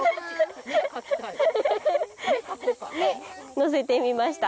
のせてみました。